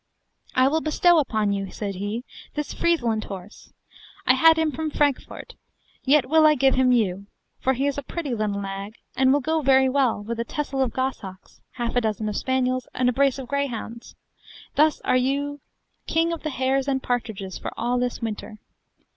I will bestow upon you, said he, this Friesland horse; I had him from Frankfort, yet will I give him you; for he is a pretty little nag, and will go very well, with a tessel of goshawks, half a dozen of spaniels, and a brace of greyhounds: thus are you king of the hares and partridges for all this winter.